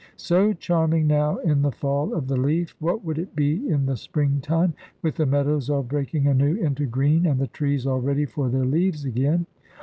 So charming now in the fall of the leaf, what would it be in the spring time, with the meadows all breaking anew into green, and the trees all ready for their leaves again?